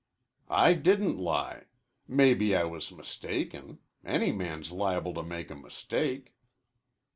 "I didn't lie. Maybe I was mistaken. Any man's liable to make a mistake."